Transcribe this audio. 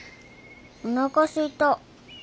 おなかすいた。